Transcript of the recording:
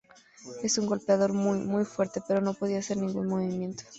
Era un golpeador muy, muy fuerte, pero no podía hacer ningún movimiento.